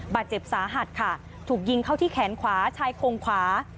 บาดเจ็บสาหัสค่ะถูกยิงเข้าที่แขนขวาชายโครงขวา